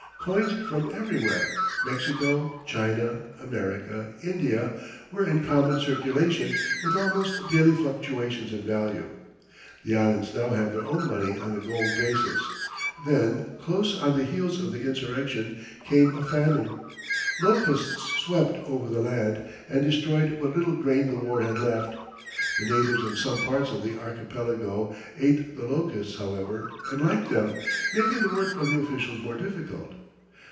Coins from everywhere Mexico, China, America, India were in common circulation, with almost daily fluctuations in value. The Islands now have their own money on a gold basis. Then, close on the heels of the insurrection, came a famine. Locusts swept over the land and destroyed what little grain the war had left. The natives in some parts of the archipelago ate the locusts, however, and liked them, making the work of the officials more difficult.